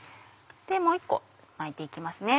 もう１個巻いて行きますね。